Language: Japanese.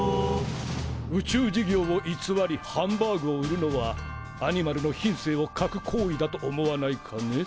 宇宙事業をいつわりハンバーグを売るのはアニマルの品性を欠く行為だと思わないかね？